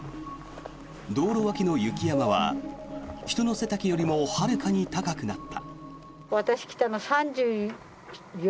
道路脇の雪山は人の背丈よりもはるかに高くなった。